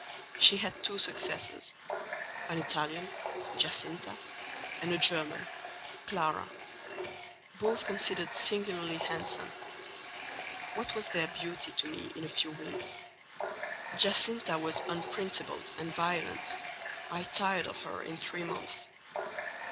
She had two successors: an Italian, Giacinta, and a German, Clara; both considered singularly handsome. What was their beauty to me in a few weeks? Giacinta was unprincipled and violent: I tired of her in three months.